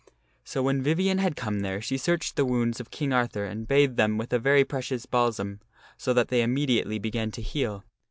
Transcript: So when Vivien had come there she searched the wounds of King Arthur and bathed them with a very precious balsam, so that they imme diately began to heal.